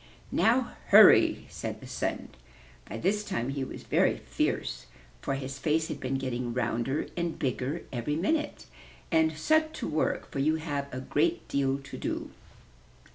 Now, hurry!" said the Sun; by this time he was very fierce for his face had been getting rounder and bigger every minute, '*and set to work, for you have a great deal to do.